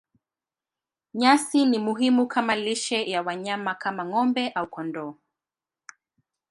Nyasi ni muhimu kama lishe ya wanyama kama ng'ombe au kondoo.